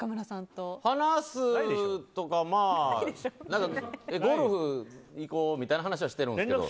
話すとかまあゴルフ行こうみたいな話はしてるんですけど。